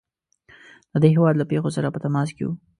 د دې هیواد له پیښو سره په تماس کې وو.